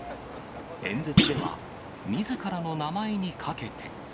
演説では、みずからの名前にかけて。